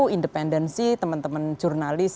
independensi teman teman jurnalis